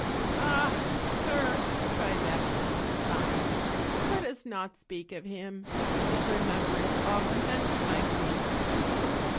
"Ah! sir," cried Babiola, sighing, "let us not speak of him; his remembrance augments my grief."